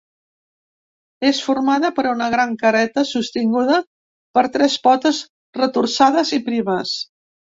És formada per una gran careta sostinguda per tres potes retorçades i primes.